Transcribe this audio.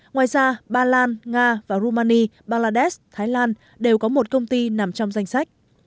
ngoài ra ba lan nga và rumani bangladesh thái lan đều có một công ty nằm trong danh sách